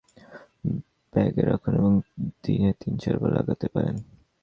ঠোঁটের জন্য ভালো কোনো প্রসাধনী ব্যাগে রাখুন এবং দিনে তিন-চারবার লাগাতে পারেন।